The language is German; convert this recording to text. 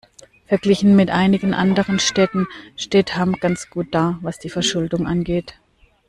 Verglichen mit einigen anderen Städten steht Hamm ganz gut da, was die Verschuldung angeht.